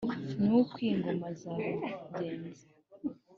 ni we ukwiye ingoma za rugenzi.